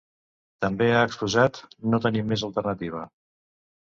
També ha exposat: No tenim més alternativa.